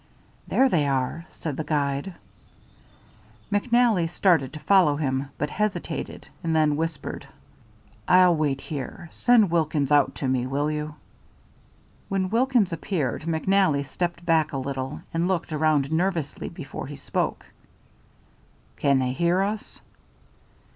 "There they are," said the guide. McNally started to follow him, but hesitated and then whispered: "I'll wait here. Send Wilkins out to me, will you?" When Wilkins appeared McNally stepped back a little and looked around nervously before he spoke. "Can they hear us?"